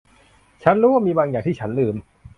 ฉันรู้ว่ามีบางอย่างที่ฉันลืม